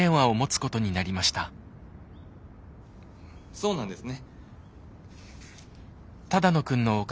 そうなんですね。